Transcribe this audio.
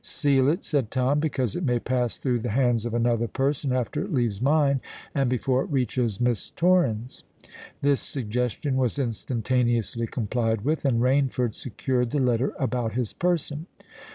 "Seal it," said Tom; "because it may pass through the hands of another person, after it leaves mine, and before it reaches Miss Torrens." This suggestion was instantaneously complied with; and Rainford secured the letter about his person.